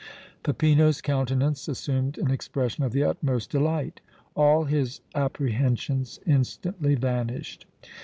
Peppino's countenance assumed an expression of the utmost delight. All his apprehensions instantly vanished.